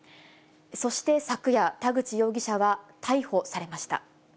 そして昨夜、田口容疑者は逮捕されました。